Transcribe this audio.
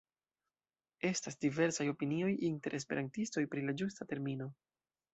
Estas diversaj opinioj inter esperantistoj pri la ĝusta termino.